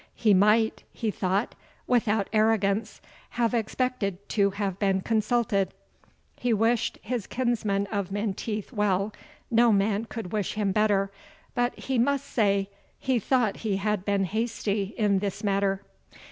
He might," he thought, "without arrogance, have expected to have been consulted. He wished his kinsman of Menteith well, no man could wish him better; but he must say he thought he had been hasty in this matter.